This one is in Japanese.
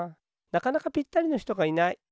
なかなかぴったりのひとがいない。